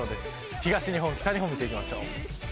東日本、北日本見ていきましょう。